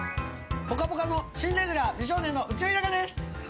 「ぽかぽか」の新レギュラー美少年の浮所飛貴です！